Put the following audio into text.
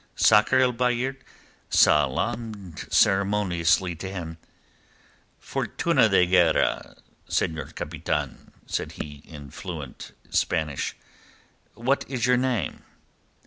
Sakr el Bahr salaamed ceremoniously to him. "Fortuna de guerra, senor capitan," said he in fluent Spanish. "What is your name?"